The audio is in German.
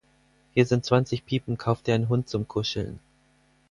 Hier sind zwanzig Piepen, kauf dir einen Hund zum Kuscheln.